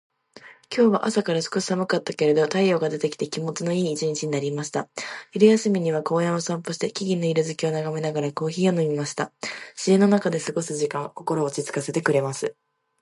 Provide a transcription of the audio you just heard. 今日は朝から少し寒かったけれど、太陽が出てきて気持ちのいい一日になりました。昼休みには公園を散歩して、木々の色づきを眺めながらコーヒーを飲みました。自然の中で過ごす時間は心を落ち着かせてくれます。